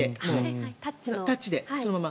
タッチでそのまま。